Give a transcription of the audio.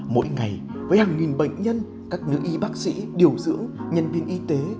mỗi ngày với hàng nghìn bệnh nhân các nữ y bác sĩ điều dưỡng nhân viên y tế